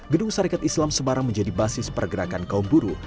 gedung sarekat islam semarang menjadi basis pergerakan kaum buruh